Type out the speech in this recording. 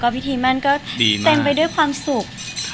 พิธีมั่นก็เต็มไปด้วยความสุข